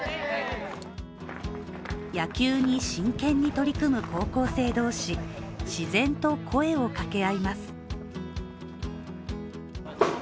野球に真剣に取り組む高校生同士自然と声をかけ合います。